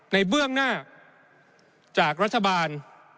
เบื้องหน้าจากรัฐบาล